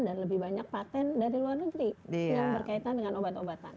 dan lebih banyak patent dari luar negeri yang berkaitan dengan obat obatan